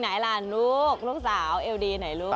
ไหนล่ะลูกลูกสาวเอวดีไหนลูก